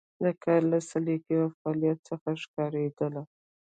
د کار له سلیقې او فعالیت څخه ښکارېدله.